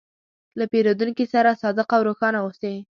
له پیرودونکي سره صادق او روښانه اوسې.